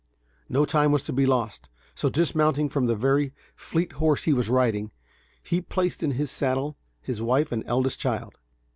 No time was to be lost; so, dismounting from the very fleet horse he was riding, he placed in his saddle his wife and eldest child.